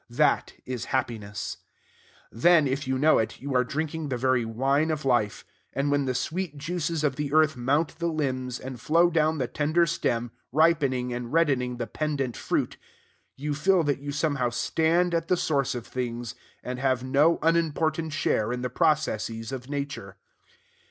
That is happiness. Then, if you know it, you are drinking the very wine of life; and when the sweet juices of the earth mount the limbs, and flow down the tender stem, ripening and reddening the pendent fruit, you feel that you somehow stand at the source of things, and have no unimportant share in the processes of Nature.